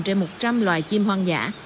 trên một trăm linh loài chim hoang dã